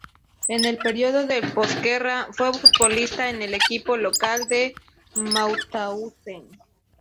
En el periodo de posguerra fue futbolista en el equipo local de Mauthausen.